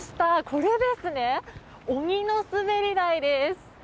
これですね、鬼の滑り台です。